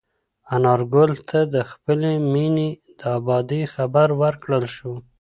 انارګل ته د خپلې مېنې د ابادۍ خبر ورکړل شو.